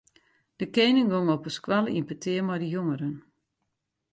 De kening gong op de skoalle yn petear mei de jongeren.